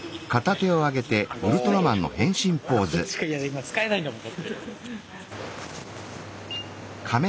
今使えないんだもん。